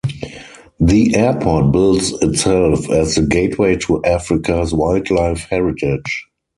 The airport bills itself as the "Gateway to Africa's Wildlife Heritage".